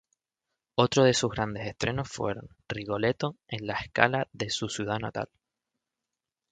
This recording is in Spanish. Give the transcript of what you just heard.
Otro de sus grandes estrenos fueron "Rigoletto" en La Scala de su ciudad natal.